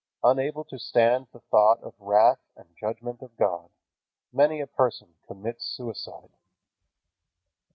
Unable to stand the thought of the wrath and judgment of God, many a person commits suicide.